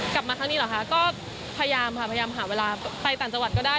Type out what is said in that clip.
กลับมาครั้งนี้เหรอคะก็พยายามค่ะพยายามหาเวลาไปต่างจังหวัดก็ได้